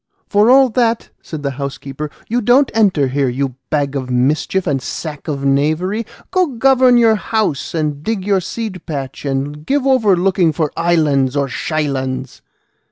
"For all that," said the housekeeper, "you don't enter here, you bag of mischief and sack of knavery; go govern your house and dig your seed patch, and give over looking for islands or shylands."